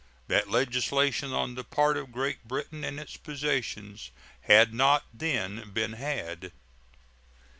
That legislation on the part of Great Britain and its possessions had not then been had.